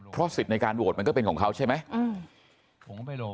สิทธิ์ในการโหวตมันก็เป็นของเขาใช่ไหม